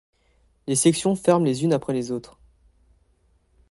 Les sections ferment les unes après les autres.